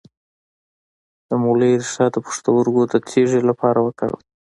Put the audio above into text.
د مولی ریښه د پښتورګو د تیږې لپاره وکاروئ